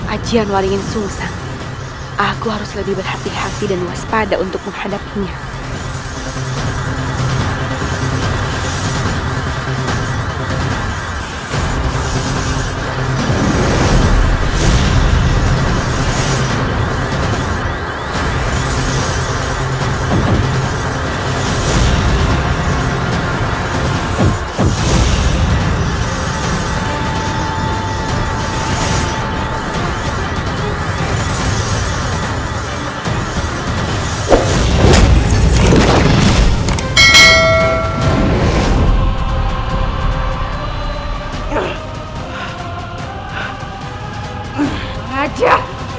aji anwarin susah aku harus lebih berhati hati dan waspada untuk menghadapinya